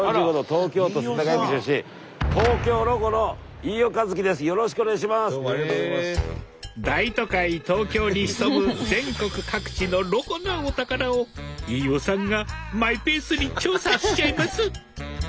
東京に潜む全国各地のロコなお宝を飯尾さんがマイペースに調査しちゃいます